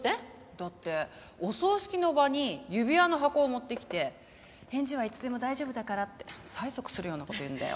だってお葬式の場に指輪の箱を持ってきて「返事はいつでも大丈夫だから」って催促するような事言うんだよ。